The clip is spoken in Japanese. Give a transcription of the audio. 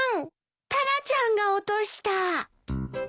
タラちゃんが落とした。